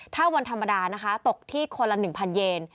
ถ้าวันธรรมดานะคะตกที่คนละ๑๐๐เยน